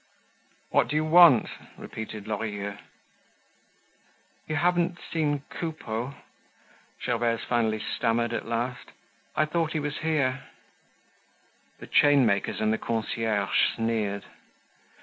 "What do you want?" repeated Lorilleux. "You haven't seen Coupeau?" Gervaise finally stammered at last. "I thought he was here." The chainmakers and the concierge sneered.